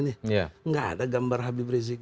tidak ada gambar habib rizik